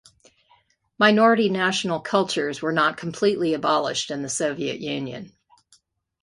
Minority national cultures were not completely abolished in the Soviet Union.